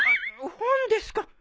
本ですか。